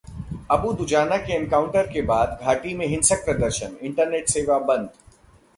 अबु दुजाना के एनकाउंटर के बाद घाटी में हिंसक प्रदर्शन, इंटरनेट सेवा बंद